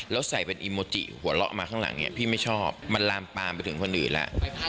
แล้วใส่เป็นอีโมจิหัวเราะมาข้างหลังเนี่ยพี่ไม่ชอบมันลามปามไปถึงคนอื่นแล้ว